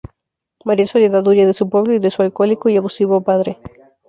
María Soledad huye de su pueblo y de su alcohólico y abusivo padre.